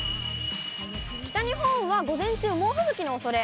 北日本は午前中、猛吹雪のおそれ。